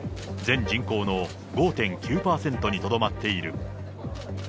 全人口の５．９％にとどまっている。